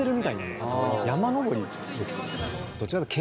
山登りですよ。